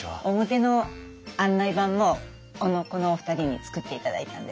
表の案内板もこのお二人に作っていただいたんです。